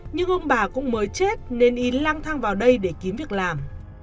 nhưng ông bà cũng mới chết nên y lang thang vào đây để kiếm việc làm